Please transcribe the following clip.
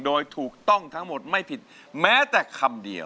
โดยถูกต้องทั้งหมดไม่ผิดแม้แต่คำเดียว